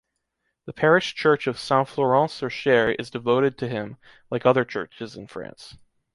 The parish church of Saint-Florent-sur-Cher is devoted to him, like other churches in France.